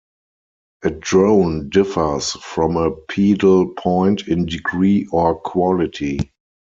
A drone differs from a pedal point in degree or quality.